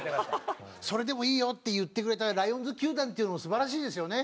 それでもいいよって言ってくれたライオンズ球団っていうのも素晴らしいですよね。